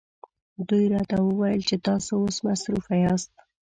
دوی راته وویل چې تاسو اوس مصروفه یاست.